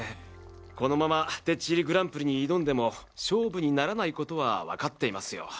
このままてっちりＧＰに挑んでも勝負にならないことはわかっていますよ。